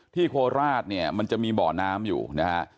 โคราชเนี่ยมันจะมีบ่อน้ำอยู่นะฮะ